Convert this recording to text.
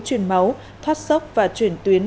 chuyển máu thoát sốc và chuyển tuyến